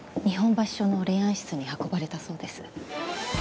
日本橋署の霊安室に運ばれたそうです。